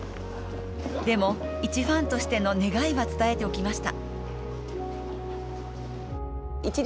でも、いちファンとしての願いは伝えておきました。